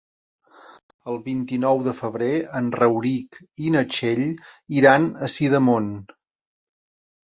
El vint-i-nou de febrer en Rauric i na Txell iran a Sidamon.